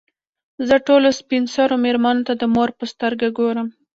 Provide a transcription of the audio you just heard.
زه ټولو سپین سرو مېرمنو ته د مور په سترګو ګورم.